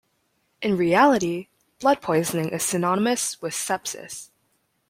In reality, "blood poisoning" is synonymous with "sepsis".